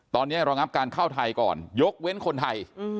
ตอนนี้รองับการเข้าไทยก่อนยกเว้นคนไทย